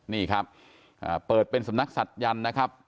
นี่ครับเปิดเป็นสำนักศักยันต์นะครับ